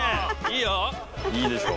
いいよ！